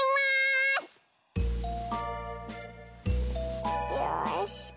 よし。